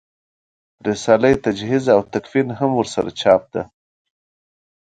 رساله تجهیز او تکفین هم ورسره چاپ ده.